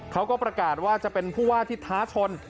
เขาก็ประกาศว่าจะเป็นผู้ว่าที่ท้าชน